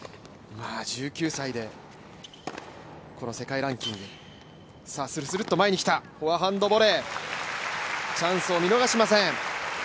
１９歳で、この世界ランキングフォアハンドボレー、チャンスを見逃しません。